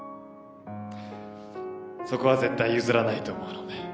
そこは絶対譲らないと思うので。